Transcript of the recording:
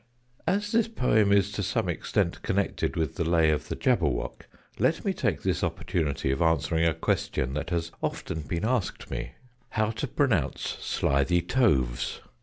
As this poem is to some extent connected with the lay of the Jabberwock, let me take this opportunity of answering a question that has often been asked me, how to pronounce "slithy toves."